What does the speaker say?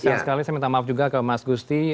saya sekali minta maaf juga ke mas agusti